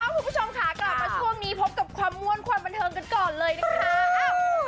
คุณผู้ชมค่ะกลับมาช่วงนี้พบกับความม่วนความบันเทิงกันก่อนเลยนะคะ